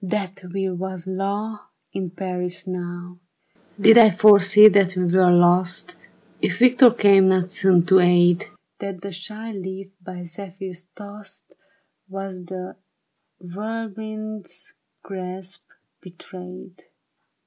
That will was law in Paris now ; 117 THE BARRICADE. Did I foresee that we were lost, If Victor came not soon to aid, That the shy leaf by zephyrs tossed. Was to the whirlwind's grasp betrayed.